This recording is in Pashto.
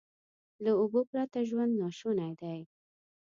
له اوبو پرته ژوند ناشونی دی.